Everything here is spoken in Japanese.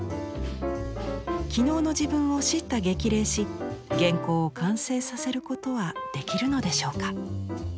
昨日の自分を叱咤激励し原稿を完成させることはできるのでしょうか？